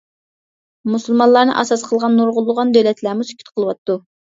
مۇسۇلمانلارنى ئاساس قىلغان نۇرغۇنلىغان دۆلەتلەرمۇ سۈكۈت قىلىۋاتىدۇ.